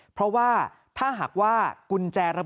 เพราะว่าถ้าหากว่ากุญแจระบบ